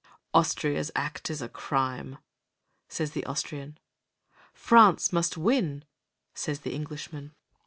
"Austria's act is a crime," says the Austrian. "France must win," says the Englishman.